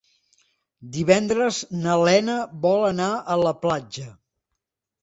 Divendres na Lena vol anar a la platja.